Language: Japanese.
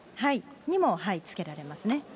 にもつけられますね。